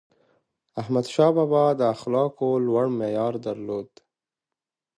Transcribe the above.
احمدشاه بابا د اخلاقو لوړ معیار درلود.